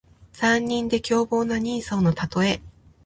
残忍で凶暴な人相のたとえ。